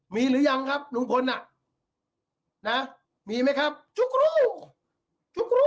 มีหรือยังครับลุงพลน่ะนะมีไหมครับทุกรูปทุกรูป